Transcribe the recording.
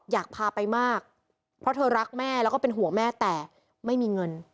อยากพาไปมากเพราะเธอรักแม่หัวแม่แต่ไม่มีเงิน